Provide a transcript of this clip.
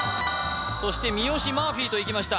そして三好マーフィーといきました